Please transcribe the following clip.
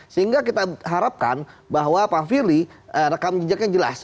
sehingga kita harapkan bahwa pak firly rekam jejaknya jelas